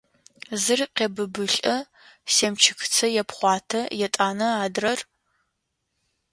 Зыр къебыбылӏэ, семчыкыцэ епхъуатэ, етӏанэ – адрэр…